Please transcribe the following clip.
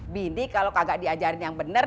bini kalo kagak diajarin yang bener